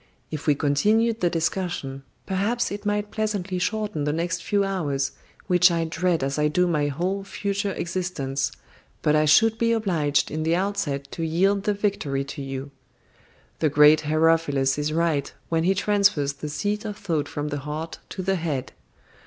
If we continued the discussion, perhaps it might pleasantly shorten the next few hours, which I dread as I do my whole future existence, but I should be obliged in the outset to yield the victory to you. The great Herophilus is right when he transfers the seat of thought from the heart to the head.